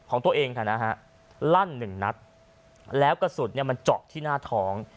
ของตัวเองนะฮะลั่นหนึ่งนัดแล้วกระสุนเนี่ยมันเจาะที่หน้าท้อง